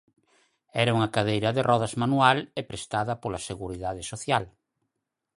Era unha cadeira de rodas manual e prestada pola Seguridade Social.